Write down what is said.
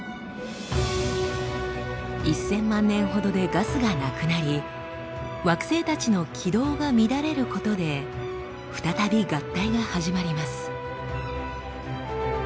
１，０００万年ほどでガスがなくなり惑星たちの軌道が乱れることで再び合体が始まります。